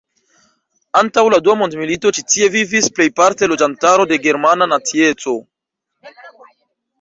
Antaŭ la dua mondmilito ĉi tie vivis plejparte loĝantaro de germana nacieco.